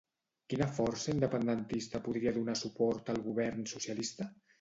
Quina força independentista podria donar suport al govern socialista?